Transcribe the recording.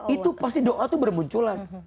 itu pasti doa itu bermunculan